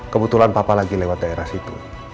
kebetulan papa lagi lewat daerah situ